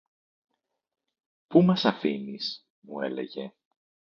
"Πού μας αφήνεις;" μου έλεγε